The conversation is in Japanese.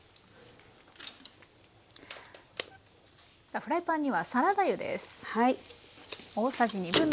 さあフライパンにはサラダ油です。